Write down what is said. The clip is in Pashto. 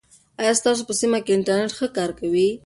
آیا ستاسو په سیمه کې انټرنیټ ښه کار کوي؟